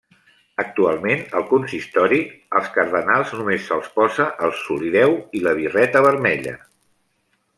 Actualment, al consistori, als cardenals només se'ls posa el solideu i la birreta vermella.